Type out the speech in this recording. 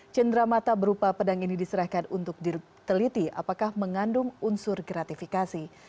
cendera mata berupa pedang ini diserahkan untuk diteliti apakah mengandung unsur gratifikasi